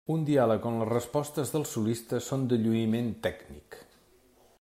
Un diàleg on les respostes del solista són de lluïment tècnic.